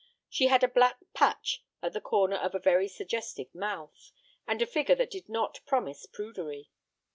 She had a black patch at the corner of a very suggestive mouth, and a figure that did not promise prudery.